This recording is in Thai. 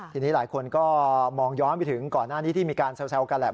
ทีนี้หลายคนก็มองย้อนไปถึงก่อนหน้านี้ที่มีการแซวกันแหละ